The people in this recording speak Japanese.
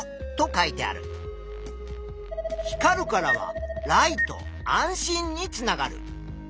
「光る」からは「ライト」「安心」につながる。